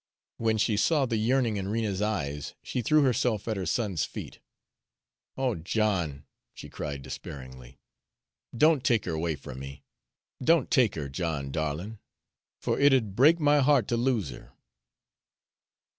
When she saw the yearning in Rena's eyes, she threw herself at her son's feet. "Oh, John," she cried despairingly, "don't take her away from me! Don't take her, John, darlin', for it'd break my heart to lose her!"